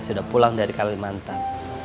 sudah pulang dari kalimantan